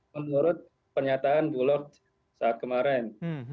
menurut pernyataan bulog saat kemarin